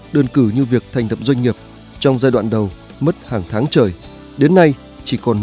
đơn cử như việc thành thập doanh nghiệp trong giai đoạn đầu mất hàng tháng trời đến nay chỉ còn một hai ngày có khi vài giờ đồng hồ